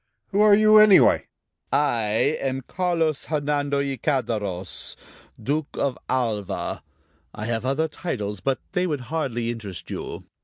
Who are you, anyway?" "I am Carlos, Hernando y Calderos, Duke of Alva. I have other titles, but they would hardly interest you."